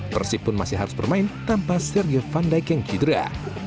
persib pun masih harus bermain tanpa sergei van dijk yang jidrah